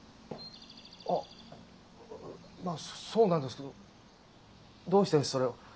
⁉あううまあそうなんですけどどうしてそれを？